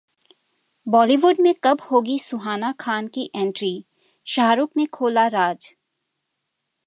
बॉलीवुड में कब होगी सुहाना खान की एंट्री? शाहरुख ने खोला राज